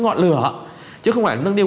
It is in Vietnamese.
ngọn lửa chứ không phải nâng niu